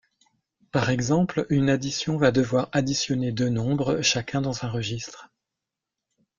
Par exemple, une addition va devoir additionner deux nombres, chacun dans un registre.